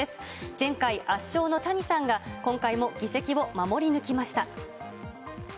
前回圧勝の谷さんが、今回も議席を守り抜きました。